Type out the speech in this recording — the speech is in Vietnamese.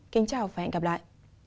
kính chào và hẹn gặp lại